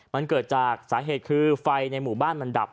มันเกิดจากสาเหตุคือไฟในหมู่บ้านมันดับ